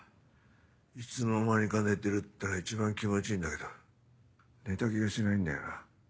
いつの間にか寝てるってのが一番気持ちいいんだけど寝た気がしないんだよな。